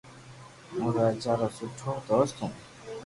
ھون راجا رو سٺو دوست ھون